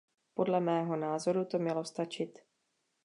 Podle mého názoru to mělo stačit.